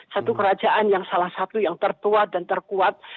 satu kerajaan yang salah satu yang tertua dan terkuat